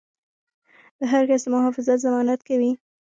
د هر کس د محافظت ضمانت کوي.